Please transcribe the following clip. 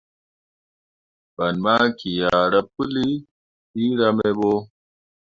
Fan maki ah ra pəli filra me ɓo.